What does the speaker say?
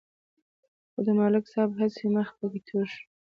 خو د ملک صاحب هسې مخ پکې تور شو.